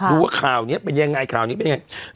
ดูว่าข่าวนี้เป็นยังไงข่าวนี้เป็นยังไง